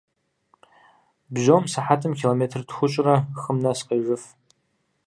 Бжьом сыхьэтым километр тхущӏрэ хым нэс къежыф.